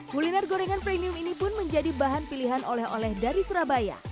kuliner gorengan premium ini pun menjadi bahan pilihan oleh oleh dari surabaya